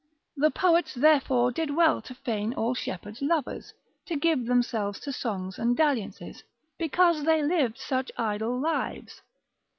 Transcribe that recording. The poets therefore did well to feign all shepherds lovers, to give themselves to songs and dalliances, because they lived such idle lives.